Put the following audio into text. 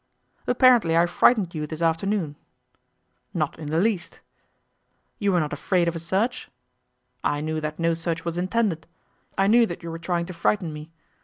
'Apparently I frightened you this afternoon?' 'Not in the least.' 'You were not afraid of a search?' 'I knew that no search was intended. I knew that you were trying to frighten me.